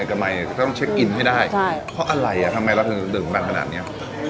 ก็มีเฟ่นฟูของด่วนด้วย